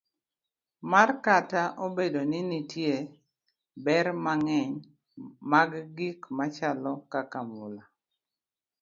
mar Kata obedo ni nitie ber mang'eny mag gik machalo kaka mula,